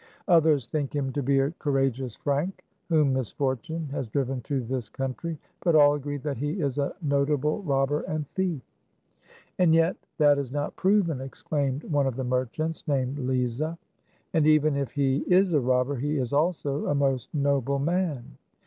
Others think him to be a courageous Frank, whom misfortune has driven to this country ; but all agree that he is a notable robber and thief." " And yet that is not proven," exclaimed one of the merchants named Lezah. " And even if he is a robber, he is, also, a most noble man.